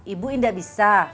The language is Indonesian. ibu ndak bisa